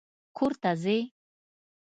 کور ته ځې؟